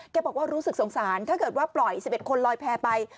บอกว่ารู้สึกสงสารถ้าเกิดว่าปล่อย๑๑คนลอยแพร่ไป